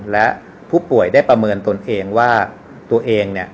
และผู้ป่วยได้ประเมินตนเองว่าตัวเองเนี่ย